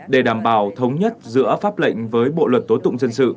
để đảm bảo thống nhất giữa pháp lệnh với bộ luật tố tụng dân sự